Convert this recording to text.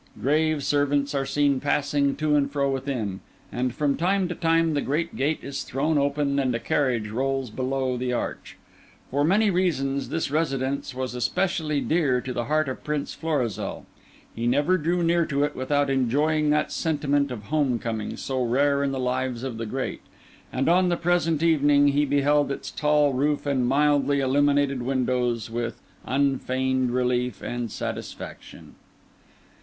Grave servants are seen passing to and fro within; and from time to time the great gate is thrown open and a carriage rolls below the arch. For many reasons this residence was especially dear to the heart of Prince Florizel; he never drew near to it without enjoying that sentiment of home coming so rare in the lives of the great; and on the present evening he beheld its tall roof and mildly illuminated windows with unfeigned relief and satisfaction.